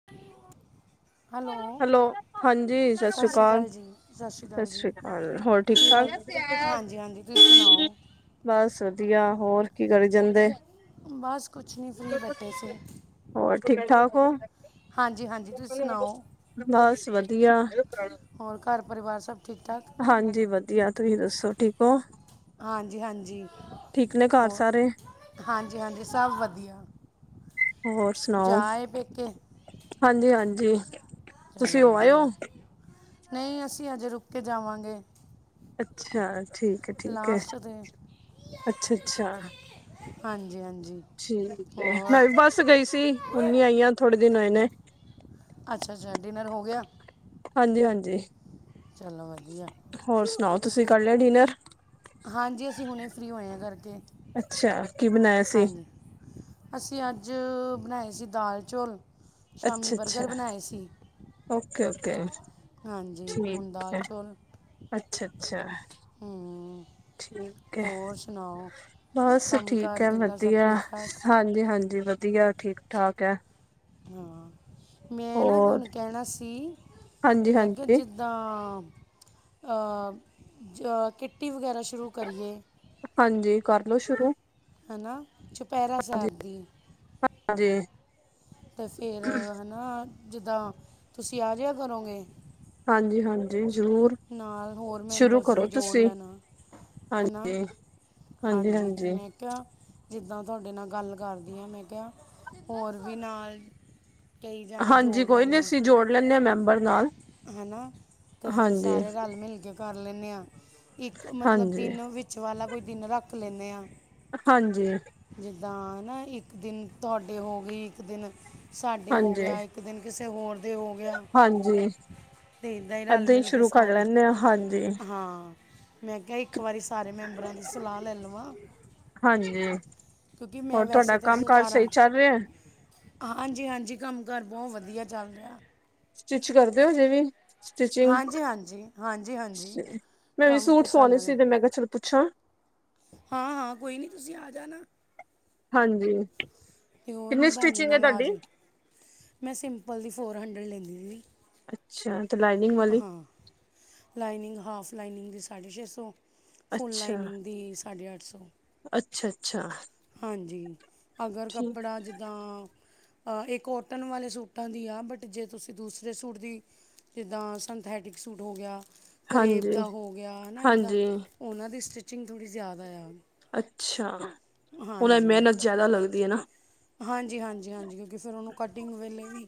[inaudible] Hello ਹਾਂਜੀ ਸ ਸਤਿ ਸ਼੍ਰੀ ਕਾਲ, ਅਕਾਲ ਜੀ ਸਤਿ ਸ ਅਕਾਲ ਜੀ ਸ਼੍ਰੀ ਕਾਲ ਹੋਰ ਠੀਕ ਕੀ ਹਾਲ ਠਾਕ, ਹਾਂਜੀ ਹਾਂਜੀ ਤੁਸੀਂ ਸੁਣਾਓ ਬਸ ਵਧੀਆ ਹੋਰ ਕੀ ਕਰੀ ਜਾਂਦੇ? ਬਸ ਕੁਛ ਨੀ ਫਰੀ ਬੈਠੇ ਸੀ। ਹੋਰ ਠੀਕ ਠਾਕ ਹੋ? ਹਾਂਜੀ-ਹਾਂਜੀ ਤੁਸੀਂ ਸੁਣਾਓ? ਬਸ ਵਧੀਆ, ਹੋਰ ਘਰ ਪਰਿਵਾਰ ਸਭ ਠੀਕ ਠਾਕ ਹਾਂਜੀ ਵਧੀਆ। ਤੁਸੀਂ ਦੱਸੋ ਠੀਕ ਓ? ਹਾਂਜੀ-ਹਾਂਜੀ, ਘਰ ਹੋਰ ਸਾਰੇ ਹਾਂਜੀ-ਹਾਂਜੀ ਸਭ ਵਧੀਆ। ਹੋਰ ਸੁਣਾਓ, ਜਾਏ ਪੇਕੇ ਹਾਂਜੀ-ਹਾਂਜੀ। ਚੱਲ ਵਧੀਆ, ਨਈ ਅਸੀਂ ਅਜੇ ਰੁਕ ਕੇ ਜਾਵਾਂਗੇ। ਅੱਛਾ ਠੀਕ ਏ ਠੀਕ ਏ, ਲਾਸਟ ਤੇ ਅੱਛਾ-ਅੱਛਾ। ਹਾਂਜੀ-ਹਾਂਜੀ। ਠੀਕ ਏ ਮੈਂ ਵੀ ਬਸ ਗਈ ਸੀ ਹੁੰਨੀ ਆਈ ਆ ਥੋੜੇ ਦਿਨ ਹੋਏ ਨੇ। ਅੱਛਾ-ਅੱਛਾ ਡਿਨਰ ਹੋ ਗਿਆ? ਹਾਂਜੀ-ਹਾਂਜੀ, ਚਲੋ ਵਧੀਆ ਹੋਰ ਸੁਣਾਓ ਤੁਸੀਂ ਕਰ ਲਿਆ ਡਿਨਰ? ਹਾਂਜੀ ਅਸੀਂ ਹੁਣੇ ਫਰੀ ਹੋਏ ਆ ਕਰਕੇ, ਅੱਛਾ ਕੀ ਬਣਾਇਆ ਸੀ ਹਾਂਜੀ। ਅਸੀਂ ਅੱਜ ਬਣਾਏ ਸੀ ਦਾਲ, ਚੌਲ। ਸ਼ਾਮੀ ਅੱਛਾ-ਅੱਛਾ, ਬਣਾਏ ਸੀ ਓਕੇ-ਓਕੇ। ਹਾਂਜੀ ਹੁਣ ਦਾਲ, ਚੌਲ। ਅੱਛਾ-ਅੱਛਾ, ਹੂੰ ਠੀਕ ਐ। ਹੋਰ ਸੁਣਾਓ ਬਸ ਠੀਕ ਕੰਮਕਾਰ ਐ ਕਿੱਦਾਂ ਸਭ ਵਧੀਆ ਠੀਕ ਠਾਕ ਹਾਂਜੀ-ਹਾਂਜੀ ਵਧੀਆ ਠੀਕ ਠਾਕ ਐ। ਹਾਂ ਮੈਂ ਨਾ ਹੋਰ ਤੁਹਾਨੂੰ ਕਹਿਣਾ ਸੀ, ਹਾਂਜੀ ਮੈਂ ਕਿਹਾ ਹਾਂਜੀ ਜਿ ਦਾ ਅ, ਜ ਕਿੱਟੀ ਵਗੈਰਾ ਸ਼ੁਰੂ ਕਰੀਏ। ਹਾਂਜੀ ਕਰਲੋ ਸ਼ੁਰੂ। ਹਨਾ ਚੁਪੈਰਾ ਹਾਂਜੀ ਸਾਬ ਦੀ। ਹਾਂਜੀ। 'ਤੇ ਫੇਰ ਹਨਾ ਜਿੱਦਾਂ ਤੁਸੀਂ ਆ ਜੇਆ ਕਰੋਗੇ? ਹਾਂਜੀ-ਹਾਂਜੀ ਜ਼ਰੂਰ। ਨਾਲ ਹੋਰ ਸ਼ੁਰੂ ਮੈਂਬਰਸ ਵੀ ਕਰੋ ਜੋੜ ਤੁਸੀਂ ਲੈਣਾ। ਹਨਾ, ਹਾਂਜੀ ਹਾਂਜੀ 'ਤੇ ਮੈਂ ਕੇ ਹਾਂ ਜਿੱਦਾਂ ਤੁਹਾਡੇ ਨਾਲ ਗੱਲ ਕਰਦੀ ਆ ਮੈਂ ਕਿਹਾ ਹੋਰ ਵੀ ਨਾਲ ਕਈ ਜਾਣੇ ਹਾਂਜੀ ਜੋੜ ਕੋਈ ਨੀ ਲੈਣਾ ਅਸੀਂ ਜੋੜ ਲੈਂਨੇ ਆ ਮੈਂਬਰ ਨਾਲ। ਹਨਾ 'ਤੇ ਫੇਰ ਹਾਂਜੀ ਸਾਰੇ ਰਲ-ਮਿਲ ਕੇ ਕਰ ਲੈਂਨੇ ਆ, ਇੱਕ ਮਤਲਬ ਹਾਂਜੀ ਦਿਨ ਵਿੱ ਚ ਵਾਲਾ ਕੋਈ ਦਿਨ ਰੱਖ ਲੈਂਨੇ ਆ। ਹਾਂਜੀ। ਜਿੱਦਾਂ ਹਨਾ ਇੱਕ ਦਿਨ ਤੁਹਾਡੇ ਹੋ ਗਈ, ਇੱਕ ਦਿਨ ਸਾਡੇ ਹੋ ਹਾਂਜੀ ਗਿਆ ਇ ਕ ਦਿਨ ਕਿਸੇ ਹੋਰ ਦੇ ਹੋ ਗਿਆ। ਹਾਂਜੀ! ਤੇ ਇਦਾਂ ਈ ਏਦਾਂ ਹੀ ਰਲ-ਮਿਲ ਗੇ ਸ਼ੁਰੂ ਕਰ ਸਾਰੇ, ਲੈਂਦੇ ਹਾਂ ਹਾਂਜੀ ਹਾਂ! ਮੈਂ ਕਿਹਾ ਇੱਕ ਵਾਰੀ ਸਾਰੇ ਮੈਂਬਰਾਂ ਦੀ ਸਲਾਹ ਲੈ ਲਵਾਂ। ਹਾਂਜੀ! ਕਿਉਂਕਿ ਮੈਂ ਹੋਰ ਤੁਹਾਡਾ ਕੰਮ ਕਾਰ ਸਹੀ ਚੱਲ ਰਿਐ? ਹਾਂਜੀ-ਹਾਂਜੀ ਕੰਮ-ਕਾਰ ਬਹੁਤ ਵਧੀਆ ਚੱਲ ਰਿਆ। ਸਟਿੱਚ ਕਰਦੇ ਹੋ ਹਜੇ ਵੀ? ਸਟਿਚਿੰਗ, ਹਾਂਜੀ ਹਾਂਜੀ ਹਾਂਜੀ ਹਾਂਜੀ ਸ-ਮੈਂ ਵੀ ਕੰਮ ਸੂਟ ਤੇ ਚੱਲ ਸਵਾਉਣੇ ਸੀਗੇ ਮੈਂ ਕਿਹਾ ਚਲੋ ਪੁੱਛਾਂ। ਹਾਂ-ਹਾਂ ਕੋਈ ਨੀ ਤੁਸੀਂ ਆ ਜਾਣਾ। ਹਾਂਜੀ! ਤੇ ਹੋਰ ਕਿੰਨੀ ਨਿਬਾਨੇ ਸਟਿਚਿੰਗ ਹੈ ਨਾਲ਼ ਤੁਹਾਡੀ ਆਜੀ। ਮੈਂ ਸਿੰਪਲ ਦੀ ਫੋਰ-ਹੰਡਡ ਲੈਂਨੀ ਵੀ। ਅੱਛਾ, ਤੇ ਲਾਈਨਿੰਗ ਵਾਲੀ? ਲਾਈਨਿੰਗ ਹਾਫ਼ ਲਾਈਨਿੰਗ ਦੀ ਸਾਢੇ-ਛੇ ਸੌ, ਫੁੱਲ ਲਾਈਨਿੰਗ ਦੀ ਸਾਢੇ-ਅੱਠ ਸੌ। ਅੱਛਾ-ਅੱਛਾ! ਹਾਂਜੀ! ਅਗਰ ਕੱਪੜਾ ਜਿੱਦਾਂ ਅ-ਇਹ ਕੋਟਨ ਵਾਲੇ ਸੂਟਾਂ ਦੀ ਆ ਬਟ ਜੇ ਤੁਸੀਂ ਦੂਸਰੇ ਸੂਟ ਦੀ ਜਿੱਦਾਂ ਸੰਥੈਟਿਕ ਸੂਟ ਹੋ ਗਿਆ, ਕਰੇਬ ਹਾਂਜੀ ਦਾ ਹੋ ਗਿਆ ਹਨਾ ਇੱਦਾਂ? ਹਾਂਜੀ ਉਹਨਾਂ ਦੀ ਸਟਿੱਚਿੰਗ ਥੋੜ੍ਹੀ ਜ਼ਿਆਦਾ ਆ। ਅੱਛਾ! ਓਹਨਾਂ ਦ ਮਿਹਨਤ ਜਿਆਦਾ ਲੱਗਦੀ ਐ ਨਾ। ਹਾਂਜੀ-ਹਾਂਜੀ-ਹਾਂਜੀ ਕਿਉਂਕਿ ਫ਼ਿਰ ਉਹਨੂੰ ਕਟਿੰਗ ਵੇਲੇ ਵੀ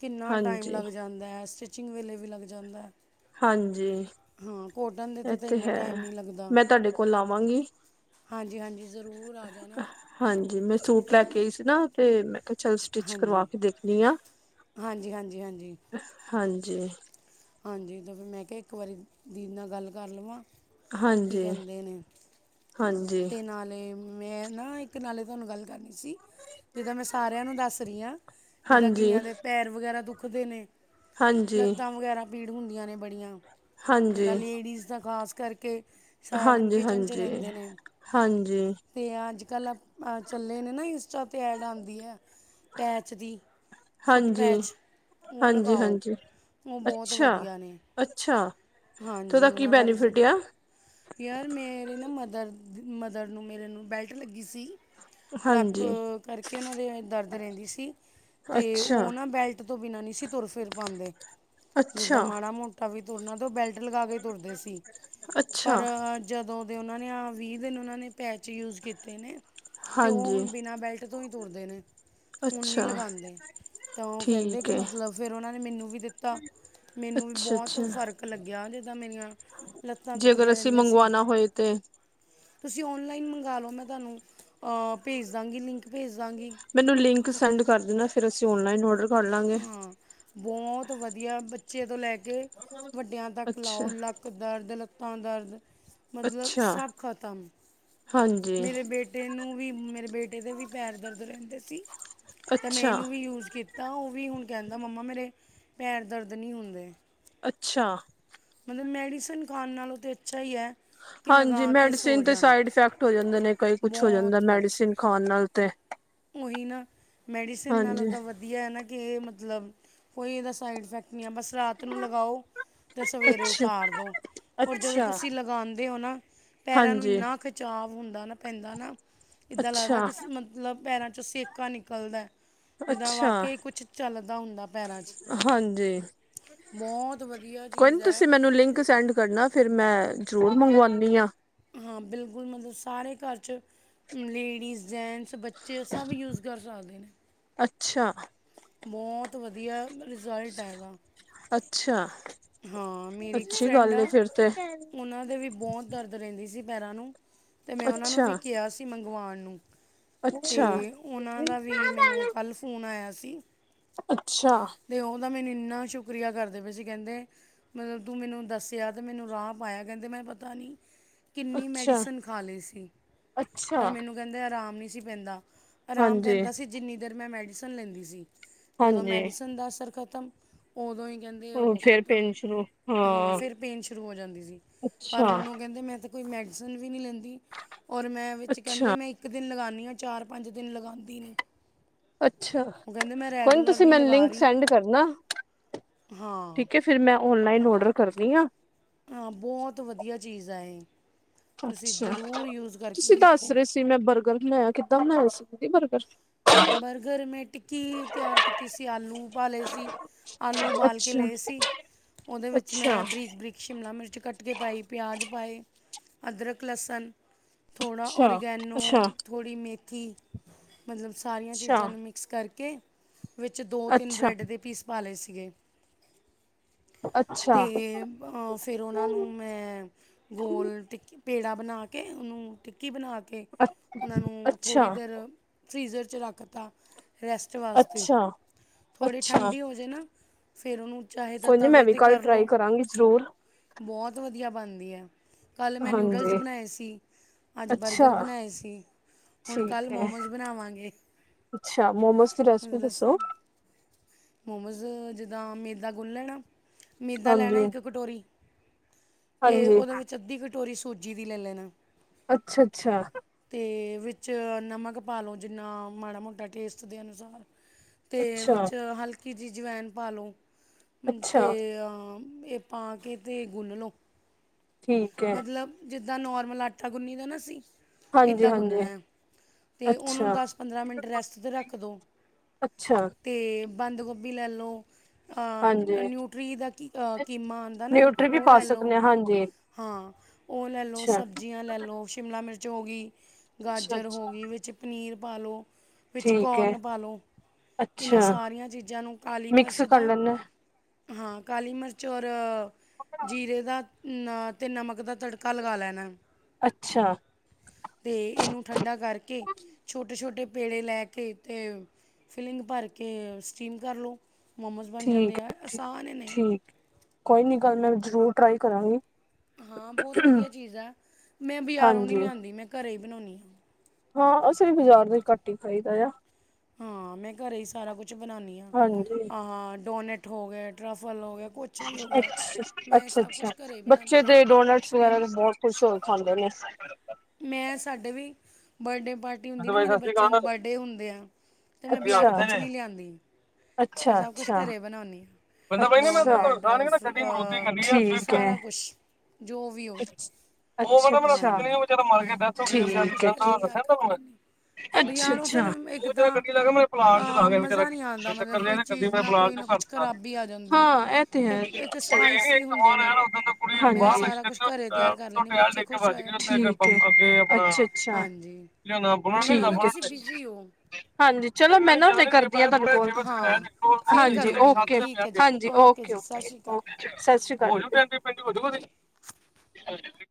ਕਿੰਨਾ ਟਾਈਮ ਹਾਂਜੀ ਲੱਗ ਜਾਂਦੈ ਸਟਿਚ ਚਿੰਗ ਵੇਲੇ ਵੀ ਲੱਗ ਜਾਂਦੈ। ਹਾਂਜੀ ਹਾਂ ਕੋਟਨ ਇਹ ਦੇ ਤੇ ਇੰਨਾ ਹੈ ਟਾਈਮ ਨੀ ਲੱਗਦਾ। ਮੈਂ ਤੁਹਾਡੇ ਕੋਲ ਆਵਾਂਗੀ ਹਾਂਜੀ-ਹਾਂਜੀ ਜ਼ਰੂਰ ਆ ਜਾਣਾ। ਹਾਂਜੀ ਮੈਂ ਸੂਟ ਲੈ ਕੇ ਆਈ ਸੀ ਨਾ ਤੇ ਮੈ ਕਿਆ ਚੱਲ ਸਟਿੱਚ ਕਰਵਾ ਹਾਂਜੀ ਕੇ ਦੇਖਣੀ ਆ, ਹਾਂਜੀ ਹਾਂਜੀ ਹਾਂਜੀ ਹਾਂਜੀ! ਹਾਂਜੀ ਤੇ ਫਿਰ ਮੈਂ ਕਿਹਾ ਇੱਕ ਵਾਰੀ ਦੀਦੀ ਨਾਲ ਗੱਲ ਕਰ ਲਵਾਂ ਕੀ ਹਾਂਜੀ ਕਹਿੰਦੇ ਨੇ। ਹਾਂਜੀ ਤੇ ਨਾਲੇ਼ ਮੈਂ ਨਾ ਇੱਕ ਨਾਲੇ਼ ਤੁਹਾਨੂੰ ਗੱਲ ਕਰਨੀ ਸੀ। ਜਿੱਦਾਂ ਮੈਂ ਸਾਰਿਆਂ ਨੂੰ ਦੱਸ ਰੀ ਆਂ ਜਿੱਦਾਂ ਹਾਂਜੀ, ਕਈਆਂ ਦੇ ਪੈਰ ਵਗੈਰਾ ਦੁਖਦੇ ਨੇ ਹਾਂਜੀ, ਲੱਤਾਂ ਵਗੈ਼ਰਾ ਪੀੜ ਹੁੰਦੀਆਂ ਨੇ ਬੜੀਆਂ ਹਾਂਜੀ, ਜਿੱਦਾਂ ਲੇਡੀਜ਼ ਤਾਂ ਖ਼ਾਸ ਕਰਕੇ ਸਾਰਾ ਦਿਨ ਕਿਚਨ ਹਾਂਜੀ-ਹਾਂਜੀ-ਹਾਂਜੀ! ਤੇ ਅੱਜ-ਕੱਲ੍ਹ ਅ-ਚੱਲੇ ਨੇ ਨਾ ਇੰਸਟਾ ਤੇ ਐਡ ਆਂਦੀ ਐ ਪੈਚ ਦੀ। ਹਾਂਜੀ, ਫੁੱਟਪੈਚ, ਉਹ ਹਾਂਜੀ, ਲਗਾਓ ਹਾਂਜੀ ਉਹ ਬਹੁਤ ਅੱਛਾ। ਵਧੀਆ ਨੇ। ਅੱਛਾ ਤੇ ਹਾਂਜੀ ਉਹਦਾ ਕੀ ਉਹਨਾਂ ਦਾ ਬੈਨੀਫਿਟ ਆ? ਰਿਜ਼ਲਟ ਯਾਰ ਮੇਰੇ ਨਾ ਮਦਰ ਮਦਰ ਨੂੰ ਮੇਰੇ ਨੂੰ ਬੈਲਟ ਲੱਗੀ ਸੀ। ਲੱਕ ਹਾਂਜੀ ਕਰਕੇ ਉਹਨਾਂ ਦੇ ਦਰਦ ਰਹਿੰਦੀ ਸੀ। ਤੇ ਅੱਛਾ। ਉਹ ਨਾ ਬੈਲਟ ਤੋਂ ਬਿਨਾਂ ਨਹੀਂ ਸੀ ਤੁਰ-ਫਿਰ ਪਾਉਂਦੇ। ਅੱਛਾ, ਜਿੱਦਾਂ ਮਾੜਾ-ਮੋਟਾ ਵੀ ਤੁਰਨਾ ਤਾਂ ਉਹ ਬੈਲਟ ਲਗਾ ਕੇ ਤੁਰਦੇ ਸੀ। ਅੱਛਾ! ਪਰ ਜਦੋਂ ਦੇ ਉਹਨਾਂ ਨੇ ਆ ਵੀਹ-ਦਿਨ ਉਹਨਾਂ ਨੇ ਪੈਚ ਯੂਜ਼ ਕੀਤੇ ਨੇ ਤੇ ਉਹ ਹਾਂਜੀ ਹੁਣ ਬਿਨਾਂ ਬੈਲਟ ਤੋਂ ਈ ਤੁਰਦੇ ਨੇ। ਹੁਣ ਨੀ ਅੱਛਾ ਲਗਾਂਦੇ ਤਾਂ ਉਹ ਕਹਿੰਦੇ ਕਿ ਠੀਕ ਹੈ। ਮਤਲਬ ਫ਼ਿਰ ਉਹਨਾਂ ਨੇ ਮੈਨੂੰ ਵੀ ਦਿੱਤਾ। ਮੈਨੂੰ ਵੀ ਅੱਛਾ, ਬਹੁਤ ਅੱਛਾ ਫ਼ਰਕ ਲੱਗਿਆ ਜਿੱਦਾਂ ਮੇਰੀਆਂ ਲੱਤਾਂ ਜੇ ਅਗਰ ਦੁਖਦੀਆਂ ਅਸੀਂ ਰਹਿੰਦੀਆਂ ਸੀ ਮੰਗਵਾਣਾ ਹੋਏ ਤੇ? ਤੁਸੀਂ ਔਨਲਾਈਨ ਮੰਗਾ ਲਓ ਮੈਂ ਤੁਹਾਨੂੰ ਅ-ਭੇਜ ਦਾਂਗੀ ਲਿੰਕ ਭੇਜ ਦਾਂਗੀ। ਮੈਨੂੰ ਲਿੰਕ ਸੈਂਡ ਕਰ ਦੇਣਾ ਫ਼ਿਰ ਅਸੀਂ ਔਨਲਾਈਨ ਔਡਰ ਕਰ ਲਾਂਗੇ। ਹਾਂ ਬਹੁਤ ਵਧੀਆ ਬੱਚੇ ਤੋਂ ਲੈ ਕੇ ਵੱਡਿਆਂ ਤੱਕ ਅੱਛਾ, ਲਾਓ ਲੱਕ ਦਰਦ ਲੱਤਾਂ ਦਰਦ ਮਤਲਬ ਅੱਛਾ ਸਭ ਖਤਮ ਹਾਂਜੀ, ਮੇਰੇ ਬੇਟੇ ਨੂੰ ਵੀ ਮੇਰੇ ਬੇਟੇ ਦੇ ਵੀ ਪੈਰ ਦਰਦ ਰਹਿੰਦੇ ਸੀ ਤਾਂ ਮੈਂ ਅੱਛਾ, ਇਹਨੂੰ ਵੀ ਯੂਜ ਕੀਤਾ ਉਹ ਵੀ ਹੁਣ ਕਹਿੰਦਾ ਮੰਮਾ ਮੇਰੇ ਪੈਰ ਦਰਦ ਨਹੀਂ ਹੁੰਦੇ ਅੱਛਾ ਮਤਲਬ ਮੈਡੀਸਨ ਖਾਣ ਨਾਲੋਂ ਤਾਂ ਅੱਛਾ ਹੀ ਹੈ ਕਿ ਹਾਂਜੀ ਲਗਾ ਕੇ ਸੋ ਮੈਡੀਸਿਨ ਦੇ ਜਾਣ ਸਾਈਡ ਇਫੈਕਟ ਹੋ ਜਾਂਦੇ ਨੇ ਕਈ ਕੁਛ ਹੋ ਜਾਂਦਾ ਬਹੁਤ ਮੈਡੀਸਿਨ ਖਾਣ ਨਾਲ ਤੇ ਉਹੀ ਨਾ ਮੈਡੀਸਨ ਨਾਲੋ ਹਾਂਜੀ ਤਾ ਵਧੀਆ ਵਧੀਆ ਨਾ ਕਿ ਇਹ ਮਤਲਬ ਕੋਈ ਇਹਦਾ ਸਾਈਡ ਇਫੈਕਟ ਨਹੀਂ ਆ ਬਸ ਰਾਤ ਨੂੰ ਲਗਾਓ ਤੇ ਸਵੇਰੇ ਅੱਛਾ ਉਤਾਰ ਦੋ ਜਦੋਂ ਅੱਛਾ ਤੁਸੀਂ ਲਗਾਉਂਦੇ ਹੋ ਨਾ ਪੈਰਾਂ ਨੂੰ ਹਾਂਜੀ ਇੰਨਾ ਚਾਵ ਹੁੰਦਾ ਨਾ ਪੈਂਦਾ ਨਾ ਇੱਦਾਂ ਅੱਛਾ ਲੱਗਦਾ ਕਿ ਮਤਲਬ ਪੈਰਾਂ 'ਚੋਂ ਸੇਕਾ ਨਿਕਲਦਾ ਜਿੱਦਾਂ ਅੱਛਾ ਵਾਕਿਆ ਈ ਕੁੱਛ ਚੱਲਦਾ ਹੁੰਦਾ ਪੈਰਾਂ ਚੇ ਹਾਂਜੀ ਬਹੁਤ ਵਧੀਆ ਕੋਈ ਚੀਜ਼ ਨੀ ਹੈ ਤੁਸੀਂ ਮੈਨੂੰ ਤੇ ਲਿੰਕ ਸੈਂਡ ਕਰਨਾ ਫਿਰ ਮੈਂ ਜ਼ਰੂਰ ਮੰਗਵਾਉਦੀ ਹਾਂ ਹਾਂ ਬਿਲਕੁਲ ਮਤਲਬ ਸਾਰੇ ਘਰ 'ਚ ਲੇਡੀਜ਼ ਜੈਂਟਸ ਬੱਚੇ ਜੇ ਸਭ ਯੂਜ ਕਰ ਸਕਦੇ ਨੇ ਅੱਛਾ ਬਹੁਤ ਵਧੀਆ ਰਿਜ਼ਲਟ ਹੈ ਇਹਦਾ ਅੱਛਾ ਹਾਂ ਮੇਰੀ ਇੱਕ ਅੱਛੀ ਫਰੈਂਡ ਗੱਲ ਏ ਆ ਫਿਰ ਤੇ ਉਹਨਾਂ ਦੇ ਵੀ ਬਹੁਤ ਦਰਦ ਰਹਿੰਦੀ ਸੀ ਪੈਰਾਂ ਨੂੰ ਅਤੇ ਮੈਂ ਉਹਨਾਂ ਨੂੰ ਅੱਛਾ ਵੀ ਕਿਹਾ ਸੀ ਮੰਗਵਾਉਣ ਨੂੰ ਤੇ ਅੱਛਾ ਉਹਨਾਂ ਦਾ ਵੀ ਅੱਛਾ ਮੈਨੂੰ ਕੱਲ੍ਹ ਫੋਨ ਆਇਆ ਸੀ ਅੱਛਾ ਤੇ ਉਹ ਤਾਂ ਮੈਨੂੰ ਇੰਨਾ ਸ਼ੁਕਰੀਆ ਕਰਦੇ ਪਏ ਸੀ ਕਹਿੰਦੇ ਮਤਲਬ ਤੂੰ ਮੈਨੂੰ ਦੱਸਿਆ ਅਤੇ ਮੈਨੂੰ ਰਾਹ ਪਾਇਆ ਕਹਿੰਦੇ ਮੈਂ ਪਤਾ ਨਹੀਂ ਕਿੰਨੀ ਅੱਛਾ ਮੈਡੀਸਨ ਖਾ ਲਈ ਸੀ ਅੱਛਾ ਪਰ ਮੈਨੂੰ ਕਹਿੰਦੇ ਆਰਾਮ ਨਹੀਂ ਸੀ ਪੈਂਦਾ ਆਰਾਮ ਹਾਂਜੀ ਪੈਂਦਾ ਸੀ ਜਿੰਨੀ ਦੇਰ ਮੈਂ ਮੈਡੀਸਨ ਲੈਂਦੀ ਸੀ ਜਦੋਂ ਹਾਂਜੀ ਮੈਡੀਸਨ ਦਾ ਅਸਰ ਖ਼ਤਮ ਉਦੋਂ ਹੀ ਕਹਿੰਦੇ ਉਹ ਫੇਰ ਖਤਮ ਪੇਨ ਸ਼ੁਰੂ ਹਾਂ ਫਿਰ ਪੇਨ ਸ਼ੁਰੂ ਹੋ ਜਾਂਦੀ ਸੀ ਪਰ ਅੱਛਾ ਹੁਣ ਉਹ ਕਹਿੰਦੇ ਮੈਂਤੇ ਕੋਈ ਮੈਡੀਸਨ ਵੀ ਨਹੀ ਲੈਂਦੀ ਹੋਰ ਮੈਂ ਵਿੱਚ ਕਹਿੰਦੇ ਅੱਛਾ ਮੈਂ ਇੱਕ ਦਿਨ ਲਗਾਉਂਦੀ ਹਾਂ ਚਾਰ ਪੰਜ ਦਿਨ ਲਗਾਉਂਦੀ ਨੀ ਅੱਛਾ ਕੋਈ ਨਹੀਂ ਰੈਗੂਲਰ ਤੁਸੀਂ ਮੈਨੂੰ ਲਗਾ ਲਿੰਕ ਰਹੀ ਸੈਂਡ ਕਰਨਾ ਹਾਂ ਠੀਕ ਹੈ ਫਿਰ ਮੈਂ ਔਨਲਾਈਨ ਔਡਰ ਕਰਦੀ ਆ ਹਾਂ ਬਹੁਤ ਵਧੀਆ ਚੀਜ਼ ਹੈ ਇਹ ਤੁਸੀਂ ਜ਼ਰੂਰ ਯੂਜ਼ ਕਰਕੇ ਵੇਖੋ ਤੇਮੈਂ ਬਰਗਰ ਬਣਾਇਆ ਕਿੱਦਾਂ ਬਣਾਇਆ ਸੀ ਬਰਗਰ ਬਰਗਰ ਮੈਂ ਟਿੱਕੀ ਤਿਆਰ ਕੀਤੀ ਸੀ ਆਲੂ ਪਾਾਲੇ ਸੀ ਆਲੂ ਉਬਾਲ ਕੇ ਅੱਛਾ ਲਏ ਸੀ ਉਹਦੇ ਵਿੱਚ ਮੈਂ ਅੱਛਾ ਬਰੀਕ ਬਰੀਕ ਸ਼ਿਮਲਾ ਮਿਰਚ ਕੱਟ ਕੇ ਪਾਈ ਪਿਆਜ਼ ਪਾਏ ਅਦਰਕ ਲਸਣ ਥੋੜ੍ਹਾ ਅੱਛਾ ਓਰੀਗੈਨੋ ਅੱਛਾ ਥੋੜ੍ਹੀ ਮੇਥੀ ਮਤਲਬ ਸਾਰੀਆਂ ਅੱਛਾ ਚੀਜ਼ਾਂ ਨੂੰ ਮਿਕਸ ਮੈਸ ਕਰਕੇ ਵਿੱਚ ਦੋ ਤਿੰਨ ਅੱਛਾ ਬ੍ਰੈੱਡ ਦੇ ਪੀਸ ਪਾ ਲਏ ਸੀਗੇ ਤੇ ਅੱਛਾ ਅਹ ਫਿਰ ਉਹਨਾਂ ਨੂੰ ਮੈਂ ਗੋਲ ਟਿੱਕੀ ਪੇੜਾ ਬਣਾ ਕੇ ਉਹਨੂੰ ਟਿੱਕੀ ਬਣਾ ਕੇ ਉਹਨਾਂ ਨੂੰ ਅੱਛਾ ਥੋੜ੍ਹੀ ਦੇਰ ਫਰੀਜ਼ਰ 'ਚ ਰੱਖ ਤਾ ਰੈਸਟ ਵਾਸਤੇ ਅੱਛਾ ਥੋੜ੍ਹੀ ਅੱਛਾ ਠੰਡੀ ਹੋ ਜਾਵੇ ਨਾ ਫਿਰ ਉਹਨੂੰ ਚਾਹੇ ਤਾਂ ਤਵੇ 'ਤੇ ਕਰ ਲਉ ਕਰਾਂਗੇ ਜ਼ਰੂਰ ਬਹੁਤ ਵਧੀਆ ਬਣਦੀ ਹੈ। ਕੱਲ੍ਹ ਮੈਂ ਨਿਊਡਲਸ ਹਾਂਜੀ ਬਣਾਏ ਸੀ ਅੱਜ ਅੱਛਾ ਬਰਗਰ ਬਣਾਏ ਸੀ। ਹੁਣ ਕੱਲ ਠੀਕ ਹੈ ਮੋਮੋਸ ਬਣਾਵਾਂਗੇ, ਅੱਛਾ ਮੋਮੋਸ ਦੀ ਰੈਸਪੀ ਦੱਸੋ ਮੋਮੋਜ਼ ਜਿੱਦਾਂ ਮੈਦਾ ਗੁੱਨ ਲੈਣਾ, ਮੈਦਾ ਲੈਣਾ ਹਾਂਜੀ ਇੱਕ ਕਟੋਰੀ ਤੇ ਹਾਂਜੀ ਉਹਦੇ ਵਿੱਚ ਅੱਧੀ ਕਟੋਰੀ ਸੂਜੀ ਦੀ ਲੈ ਲੈਣਾ ਅੱਛਾ ਅੱਛਾ ਤੇ ਵਿੱਚ ਨਮਕ ਪਾ ਲਉ ਜਿੰਨਾ ਮਾੜਾ ਮੋਟਾ ਟੇਸਟ ਦੇ ਅਨੁਸਾਰ ਤੇ ਅੱਛਾ ਵਿੱਚ ਹਲਕੀ ਜਿ ਜਵਾਇਨ ਪਾ ਲਉ, ਤੇ ਅੱਛਾ ਇਹ ਪਾ ਕੇ ਤੇ ਗੁੱਨ ਲਓ ਠੀਕ ਹੈ ਮਤਲਬ ਜਿੱਦਾਂ ਨੋਰਮਲ ਆਟਾ ਗੁੰਨੀ ਦਾ ਨਾ ਅਸੀਂ। ਹਾਂਜੀ ਇੱਦਾਂ ਗੁੰਨਣਾ ਹਾਂਜੀ ਹੈ ਤੇ ਉਹਨੂੰ ਅੱਛਾ ਦਸ ਪੰਦਰਾਂ ਮਿੰਟ ਰੈਸਟ ਤੇ ਰੱਖ ਦਿਉ ਅੱਛਾ ਤੇ ਬੰਦ ਗੋਭੀ ਲੈ ਲਉ ਹਾਂਜੀ ਨਿਊਟਰੀ ਦਾ ਕੀ ਕੀਮਾ ਆਉਂਦਾ ਨਾ, ਨਿਊਟਰੀ ਵੀ ਉਹ ਪਾ ਲੈ ਸਕਦੇ ਲਉ ਹਾਂ, ਹਾਂਜੀ ਹਾਂ ਉਹ ਲੈ ਲਓ ਅੱਛਾ ਸਬਜ਼ੀਆਂ ਲੈ ਲਓ, ਸ਼ਿਮਲਾ ਮਿਰਚ ਹੋ ਗਈ। ਅੱਛਾ ਗਾਜਰ ਹੋ ਅੱਛਾ ਗਈ, ਵਿੱਚ ਪਨੀਰ ਪਾ ਲਉ ਵਿੱਚ ਠੀਕ ਹੈ ਕੋਰਨ ਪਾ ਲਉ, ਇਹਨਾਂ ਅੱਛਾ ਸਾਰੀਆਂ ਚੀਜ਼ਾਂ ਨੂੰ ਕਾਲੀ ਮਿਕਸ ਮਿਰਚ ਦਾ ਕਰ ਲੈਂਦੇ ਹਾਂ ਕਾਲੀ ਮਿਰਚ ਔਰ ਜੀਰੇ ਦਾ ਤੇ ਨਮਕ ਦਾ ਤੜਕਾ ਲਗਾ ਲੈਣਾ ਅੱਛਾ ਤੇ ਇਹਨੂੰ ਠੰਡਾ ਕਰਕੇ, ਛੋਟੇ ਛੋਟੇ ਪੇੜੇ ਲੈ ਕੇ ਤੇ ਫਿਲਿੰਗ ਭਰ ਕੇ ਸਟੀਮ ਕਰ ਲਉ, ਮੋਮੋਸ ਬਣ ਠੀਕ ਜਾਂਦੇ ਆ ਹੈ ਆਸਾਨ ਨੇ ਠੀਕ ਕੋਈ ਨੀ ਕਲ ਮੈਂ ਜ਼ਰੂਰ ਟਰਾਈ ਕਰਾਂਗੀ ਹਾਂ ਬਹੁਤ ਵਧੀਆ ਚੀਜ਼ ਆ, ਮੈਂ ਬਜ਼ਾਰੋਂ ਨੀ ਹਾਂਜੀ ਲਿਆਂਦੀ ਮੈਂ ਘਰੇ ਹੀ ਬਣਾਉਨੀ ਆਂ। ਹਾਂ ਅਸੀਂ ਵੀ ਬਾਜ਼ਾਰ ਦਾ ਘੱਟ ਹੀ ਖ਼ਾਹੀਦਾ ਐ ਹਾਂ ਮੈਂ ਘਰੇ ਹੀ ਸਾਰਾ ਕੁਛ ਬਣਾਉਾਨਨੀ ਆਂ, ਹਾਂਜੀ ਆ ਡੋਨਟ ਹੋ ਗਏ, ਟਰੈਫਲ ਹੋ ਗਏ ਕੁੱਛ ਅੱਛ ਅੱਛਾ ਅੱਛਾ ਹੀ ਬਣਾਉਂਦੀ ਬੱਚੇ ਹਾਂ ਦੇ ਡੋਨਟਸ ਮੈਂ ਵਗੈਰਾ ਬਹੁਤ ਕੁਛ ਹੋਰ ਖਾਂਦੇ ਨੇ ਮੈਂ ਸਾਡੇ ਵੀ ਬਰਥਡੇ ਪਾਰਟੀ ਹੁੰਦੀ ਨਾ ਮੇਰੇ ਸ਼੍ਰੀ ਬੱਚਿਆਂ ਦੇ ਅਕਾਲ, ਬਰਡੇ ਹੁੰਦੇ ਐ, ਤੇ ਮੈਂ ਅੱਛਾ ਬਜ਼ਾਰੋਂ ਕੁਛ ਅੱਛਾ ਨੀ ਲਿਆਂਦੀ ਮੈਂ ਅੱਛਾ ਸਭ ਕੁਛ ਅੱਛਾ ਘਰੇ ਬਣਾਉਨੀ ਆਂ ਡੋਨਟ ਅ ਠੀਕ ਸਾਰਾ ਹੈ ਕੁਛ ਜੋ ਵੀ ਹੋਵੇ ਉਹ ਕਹਿੰਦਾ ਮੈਂੱਸ ਹਾਂਜੀ ਵਿਚਾਰਾ ਮਰ ਕੇ ਡੈਥ ਮੈਂ ਕਹਿੰਦਾ ਸਭ ਕੁਛ ਘਰੇ ਹੀ [inaudible] ਤਿਆਰ ਕਰ ਲੈਂਦੀ ਅੱਛਾ ਬਜ਼ਾਰੋਂ ਫਿਰ ਅੱਛਾ ਇੱਕ ਉਹ ਤਾਂ ਜਗੱਡੀ ਲਾ ਮੇ ਪਲਾਟ ਚ ਲਾ ਅ ਮਜ਼ਾ ਨਹੀਂ ਆਉਂਦਾ ਮਤਲਬ ਚੱਕਰ ਲੱ ਕੋਈ ਚੀਜ਼ ਨਾ ਪਲਾ ਕੋਈ ਨਾ ਚ ਕੁਛ ਖਰਾਬੀ ਆ ਜਾਂਦੀ ਹਾਂ ਇਹ ਤੇ ਹੈ ਠੀਕ ਐ ਫਿਰ ਇੱਕ ਅੱਛਾ ਅੱਛਾ ਸਪਾਈਸੀ ਹੁੰਦੇ ਨੇ ਮੈਂ ਸਾਰਾ ਕੁਛ ਘਰੇ ਤਿਆਰ ਕਰ ਲੈਂਦੀ ਬੱਚੇ ਖੁਸ਼ ਹੋ ਜਾਂਦੇ ਨੇ ਹਾਂਜੀ ਮੈਨੂੰ ਲੱਗਦਾ ਠੀਕ ਤੁਸੀਂ ਬਿਜ਼ੀ ਐ ਹੋ ਹਾਂਜੀ, ਚਲੋ ਮੈਂ ਨਾ ਫੇਰ ਕਰਦੀ ਆਂ ਤੁਹਾਨੂੰ ਹਾਂ ਕੋਲ ਫਿਰ ਹਾਂਜੀ ਕਰੂੰਗੀ ਮੈਂ ਓਕੇ ਠੀਕ ਹੈ ਜੀ ਹਾਂਜੀ ਓਕੇ ਜੀ ਸਤਿ ਓਕੇ ਸ਼੍ਰੀ ਅਕਾਲ ਓਕੇ ਸਤਿ ਸ੍ਰੀ ਅਕਾਲ ਜੀ [inaudible]